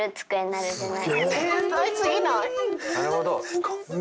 なるほど。